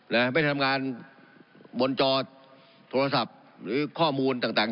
ไม่ได้ทำงานบนจอโทรศัพท์หรือข้อมูลต่าง